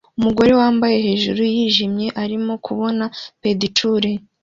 Umugore wambaye hejuru yijimye arimo kubona pedicure